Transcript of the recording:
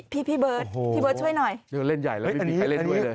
พี่เบิร์ดช่วยหน่อย